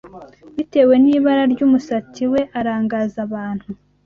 Bitewe n'ibara ry'umusatsi we arangaza abantu